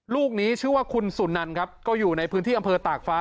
ลูกนี้ชื่อว่าคุณสุนันครับก็อยู่ในพื้นที่อำเภอตากฟ้า